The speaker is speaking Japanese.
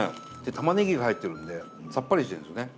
玉ねぎが入ってるんでさっぱりしてんですね。